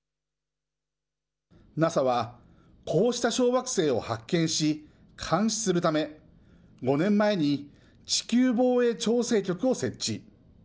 ＮＡＳＡはこうした小惑星を発見し、監視するため、５年前に地球防衛調整局を設置。